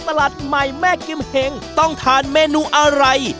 มาดูเรื่องเวลา